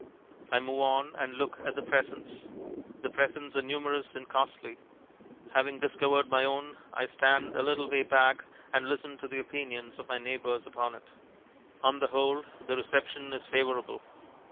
I move on and look at the presents. The presents are numerous and costly. Having discovered my own I stand a little way back and listen to the opinions of my neighbours upon it. On the whole the reception is favourable.